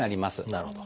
なるほど。